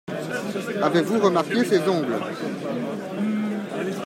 Avez-vous remarqué ses ongles ?